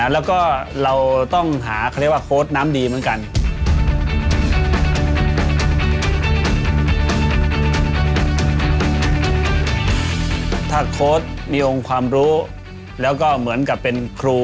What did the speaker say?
แล้วก็เราต้องหาคตน้ำดีเหมือนกัน